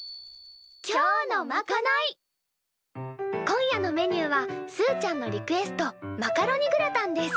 今夜のメニューはすーちゃんのリクエストマカロニグラタンです。